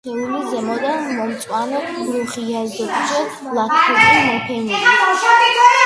სხეული ზემოდან მომწვანო რუხია, ზოგჯერ ლაქებით მოფენილი.